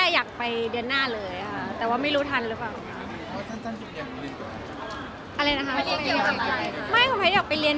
เลขการถัดหรือเลขระยะทางเลขการรับคุณภายในตัวเอง